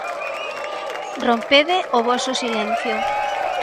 Rompede o voso silencio!